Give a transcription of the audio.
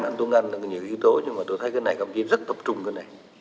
anh tuấn anh đã có nhiều yếu tố nhưng mà tôi thấy cái này cầm chiến rất tập trung cái này